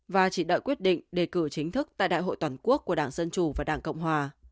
và chỉ đợi quyết định đề cử chính thức tại đại hội toàn quốc của đảng dân chủ và đảng cộng hòa